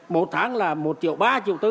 một tháng là một triệu ba triệu bốn không